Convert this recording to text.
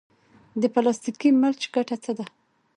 د پلاستیکي ملچ ګټه څه ده؟